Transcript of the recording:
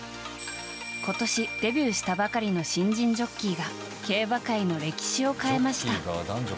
今年デビューしたばかりの新人ジョッキーが競馬界の歴史を変えました。